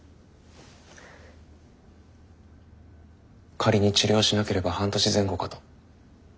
仮に治療しなければ半年前後かと。